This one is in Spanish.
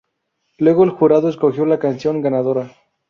Luego el jurado escogió la canción ganadora.